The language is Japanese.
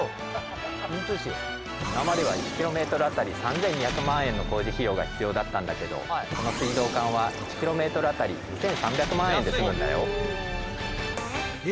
今までは１ｋｍ当たり３，２００万円の工事費用が必要だったんだけどこの水道管は１ｋｍ当たり２，３００万円で済むんだよ。